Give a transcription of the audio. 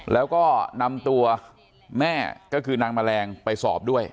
แล้วก็นำตัวแม่ก็คือนางแมลงไปสอบด้วย